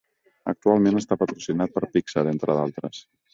Actualment està patrocinat per Pixar, entre d'altres.